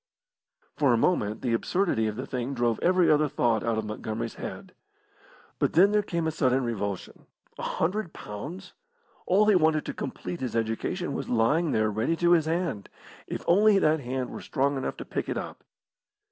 For a moment the absurdity of the thing drove every other thought out of Montgomery's head. But then there came a sudden revulsion. A hundred pounds! all he wanted to complete his education was lying there ready to his hand, if only that hand were strong enough to pick it up.